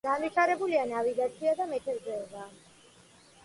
განვითარებულია ნავიგაცია და მეთევზეობა.